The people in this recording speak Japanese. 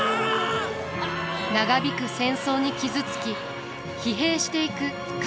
長引く戦争に傷つき疲弊していく家臣たち。